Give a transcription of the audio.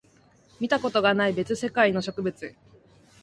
見たことがない別世界の植物